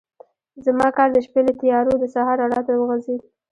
زما کار د شپې له تیارو د سهار رڼا ته وغځېد.